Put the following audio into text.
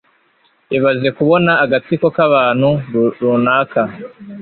Ibaze kubona agatsiko k'abantu runaka